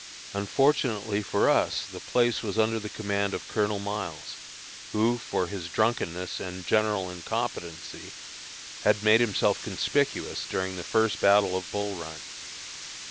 Unfortunately for us the place was under the command of Colonel Miles, who, for his drunkenness and general incompetency, had made himself conspicuous during the first battle of Bull Run.